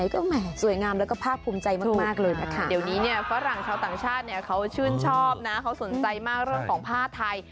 เขาสนใจมากเรื่องของผ้าไทย